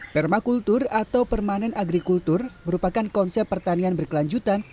permakultur atau permanent agriculture merupakan konsep pertanian berkelanjutan